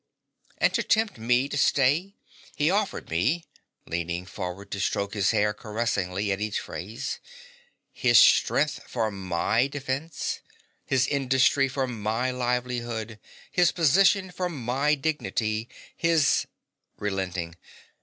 And to tempt me to stay he offered me (leaning forward to stroke his hair caressingly at each phrase) his strength for MY defence, his industry for my livelihood, his position for my dignity, his (Relenting.)